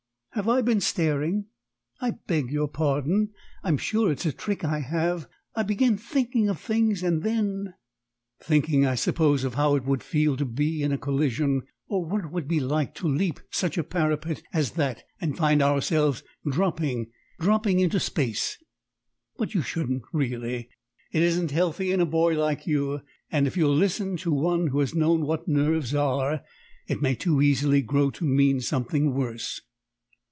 "Have I been staring? I beg your pardon, I'm sure: it's a trick I have. I begin thinking of things, and then " "Thinking, I suppose, of how it would feel to be in a collision, or what it would be like to leap such a parapet as that and find ourselves dropping dropping into space? But you shouldn't, really. It isn't healthy in a boy like you: and if you'll listen to one who has known what nerves are, it may too easily grow to mean something worse."